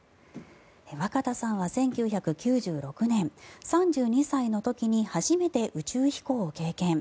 若田さんは１９９６年３２歳の時に初めて宇宙飛行を経験。